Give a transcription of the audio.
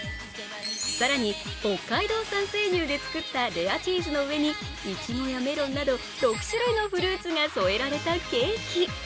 更に北海道産生乳で作ったレアチーズの上にいちごやメロンなど６種類のフルーツが添えられたケーキ。